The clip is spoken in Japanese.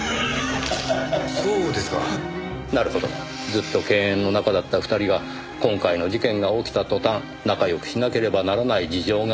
ずっと犬猿の仲だった２人が今回の事件が起きた途端仲よくしなければならない事情が出来た。